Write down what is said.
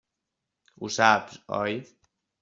Ho saps, oi?